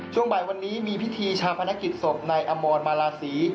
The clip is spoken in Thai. ช่วงบ่ายวันนี้มีพิธีชาพนักกิจศพนายอมรมาลาศรี